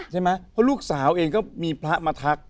ใช่ไหมเพราะลูกสาวเองก็มีพระมาทัก